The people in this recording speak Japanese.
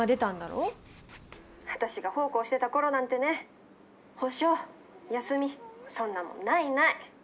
「私が奉公してた頃なんてね補償休みそんなもんないない」。